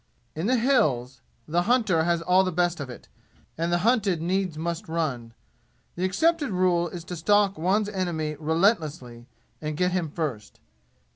In the "Hills" the hunter has all the best of it, and the hunted needs must run. The accepted rule is to stalk one's enemy relentlessly and get him first.